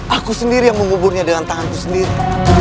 aku sendiri yang menguburnya dengan tanganku sendiri